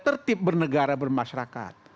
tertib bernegara bermasyarakat